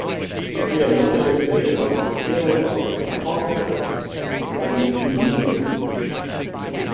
She had nothing to say about the scale or Palsgraf, having seen neither.